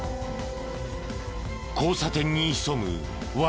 交差点に潜むワナ。